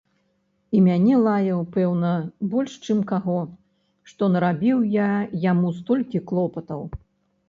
І мяне лаяў, пэўна, больш чым каго, што нарабіў я яму столькі клопатаў.